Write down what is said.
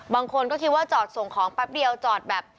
บางคนก็คิดว่าจอดส่งของแป๊บเดียวจอดแบบ